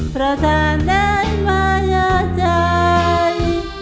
เพราะท่านได้มายใจ